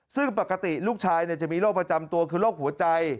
ซึ่งปกติลูกชายจะมีโรคประจำตัวคือโรคหัวใจ